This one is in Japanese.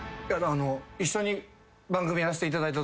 一緒に番組やらせていただいた。